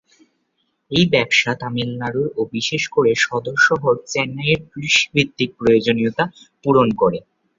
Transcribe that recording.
এই ব্যবসা তামিলনাড়ুর ও বিশেষ করে সদর শহর চেন্নাইয়ের কৃষিভিত্তিক প্রয়োজনীয়তা পূরণ করে।